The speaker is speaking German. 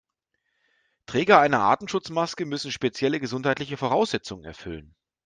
Träger einer Atemschutzmaske müssen spezielle gesundheitliche Voraussetzungen erfüllen.